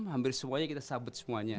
hampir semuanya kita sabut semuanya